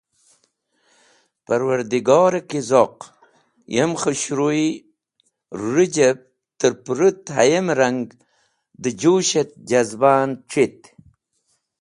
Parwardigore ki zoq, yem khũshruy rũjep trẽ pũrũt hayem rang dẽ jush et jazbah c̃hit.